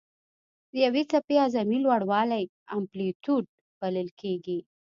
د یوې څپې اعظمي لوړوالی امپلیتیوډ بلل کېږي.